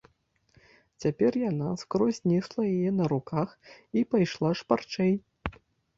Цяпер яна скрозь несла яе на руках і пайшла шпарчэй.